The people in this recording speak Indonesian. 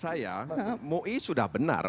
saya mu'i sudah benar